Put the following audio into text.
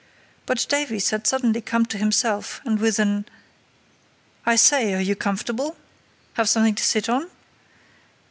But Davies had suddenly come to himself, and with an "I say, are you comfortable? Have something to sit on?"